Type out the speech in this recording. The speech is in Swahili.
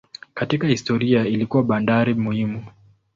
Katika historia ilikuwa bandari muhimu.